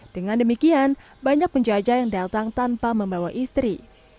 dengan demikian banyak penjajah yang datang tanpa membawa istri